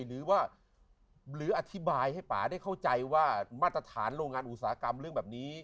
หรือว่าหรืออธิบายให้ป่าได้เข้าใจว่ามาตรฐานโรงงานอุตสาหกรรมเรื่องแบบนี้